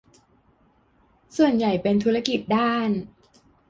ส่วนใหญ่เป็นธุรกิจด้าน